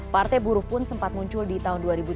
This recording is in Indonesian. partai buruh pun sempat muncul di tahun dua ribu tujuh belas